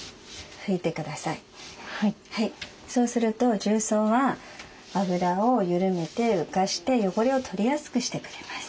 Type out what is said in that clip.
そうすると重曹は油を緩めて浮かして汚れを取りやすくしてくれます。